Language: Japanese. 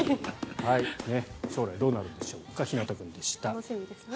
将来、どうなるんでしょうかひなた君でした。